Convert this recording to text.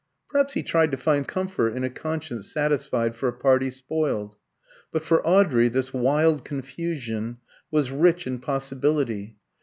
Perhaps he tried to find comfort in a conscience satisfied for a party spoiled. But for Audrey this wild confusion was rich in possibility.